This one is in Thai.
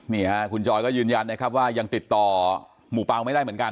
นี่ค่ะคุณจอยก็ยืนยันนะครับว่ายังติดต่อหมู่เปล่าไม่ได้เหมือนกัน